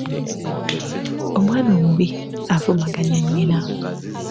Omwana omubi avumaganya nnyinna.